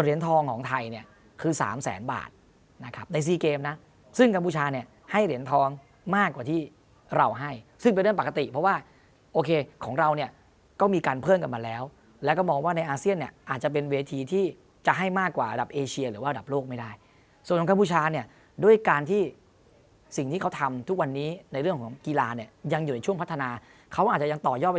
เหรียญทองมากกว่าที่เราให้ซึ่งเป็นเรื่องปกติเพราะว่าโอเคของเราเนี่ยก็มีการเพิ่มกันมาแล้วแล้วก็มองว่าในอาเซียนเนี่ยอาจจะเป็นเวทีที่จะให้มากกว่าอันดับเอเชียหรือว่าอันดับโลกไม่ได้ส่วนของกบูชาเนี่ยด้วยการที่สิ่งที่เขาทำทุกวันนี้ในเรื่องของกีฬาเนี่ยยังอยู่ช่วงพัฒนาเขาอาจจะยังต่